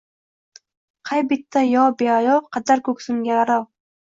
Qay bitta yov beayov, qadar koʼksingga gʼarov